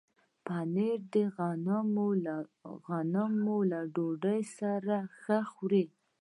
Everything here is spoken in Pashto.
پنېر د غنمو له ډوډۍ سره ښه خوري.